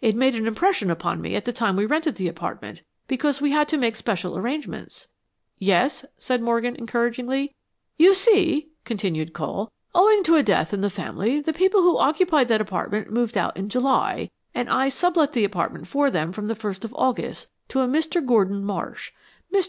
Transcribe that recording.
It made an impression upon me at the time we rented the apartment, because we had to make special arrangements." "Yes," said Morgan, encouragingly. "You see," continued Cole, "owing to a death in the family, the people who occupied that apartment moved out in July, and I sublet the apartment for them from the first of August, to a Mr. Gordon Marsh. Mr.